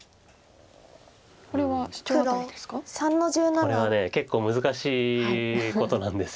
これは結構難しいことなんです。